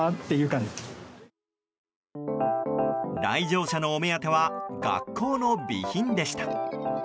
来場者のお目当ては学校の備品でした。